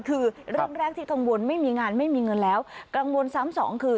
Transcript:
คือเรื่องแรกที่กังวลไม่มีงานแล้วกังวลซ้ำ๒คือ